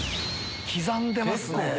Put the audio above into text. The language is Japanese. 刻んでますね。